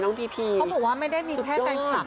น้องพีพีเขาบอกว่าไม่ได้มีแค่แฟนคลับ